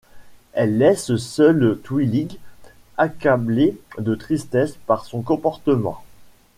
Elles laissent seule Twilight, accablée de tristesse par son comportement.